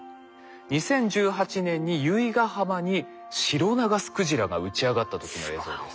２０１８年に由比ガ浜にシロナガスクジラが打ち上がった時の映像です。